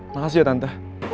makasih ya tante